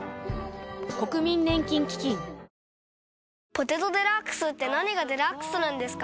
「ポテトデラックス」って何がデラックスなんですか？